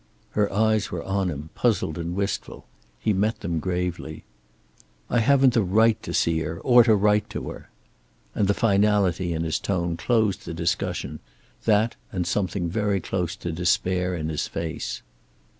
Her eyes were on him, puzzled and wistful. He met them gravely. "I haven't the right to see her, or to write to her." And the finality in his tone closed the discussion, that and something very close to despair in his face.